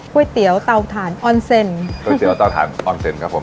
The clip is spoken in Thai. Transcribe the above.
เตี๋ยวเตาถ่านออนเซ็นก๋วยเตี๋ยวเตาถ่านออนเซ็นครับผม